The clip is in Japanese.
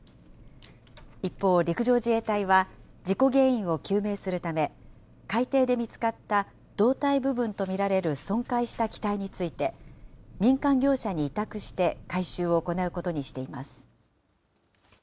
一方、陸上自衛隊は事故原因を究明するため、海底で見つかった胴体部分と見られる損壊した機体について、民間業者に委託して回収を行うことにしています。